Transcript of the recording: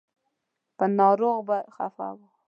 په ناروغ به خفه و.